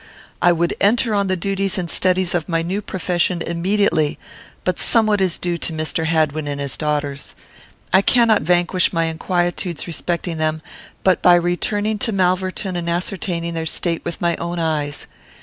I would enter on the duties and studies of my new profession immediately; but somewhat is due to Mr. Hadwin and his daughters. I cannot vanquish my inquietudes respecting them, but by returning to Malverton and ascertaining their state with my own eyes.